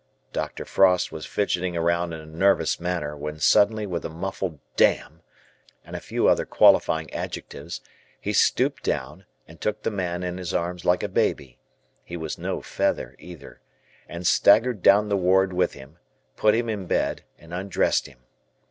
Dr. Frost was fidgeting around in a nervous manner, when suddenly with a muffled "damn" and a few other qualifying adjectives, he stooped down, and took the man in his arms like a baby, he was no feather either, and staggered down the ward with him, put him in bed, and undressed him.